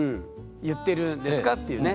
言ってるんですかっていうね。